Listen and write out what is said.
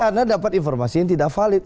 karena dapat informasi yang tidak valid